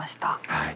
はい。